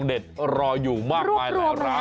สวัสดีครับคุณพี่สวัสดีครับ